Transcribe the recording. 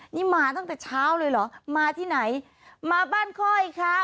นี่มาตั้งแต่เช้าเลยเหรอมาที่ไหนมาบ้านค่อยค่ะ